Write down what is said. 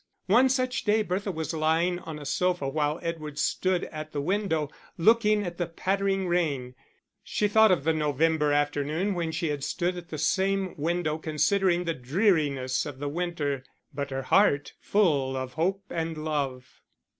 One such day Bertha was lying on a sofa while Edward stood at the window, looking at the pattering rain. She thought of the November afternoon when she had stood at the same window considering the dreariness of the winter, but her heart full of hope and love.